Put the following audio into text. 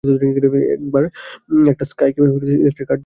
একটা skycap electric cart দিয়ে gate চারে পেজ করা হচ্ছে।